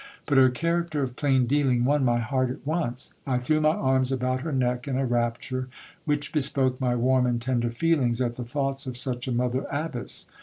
But her character of plain dealing won my heart at once. I threw my arms about her neck in a rapture, which bespoke my warm and tender feelings at the thoughts of such a mother abbess.